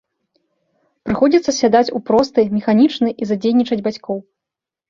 Прыходзіцца сядаць у просты, механічны і задзейнічаць бацькоў.